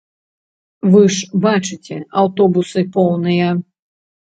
Вы ж бачыце, аўтобусы поўныя.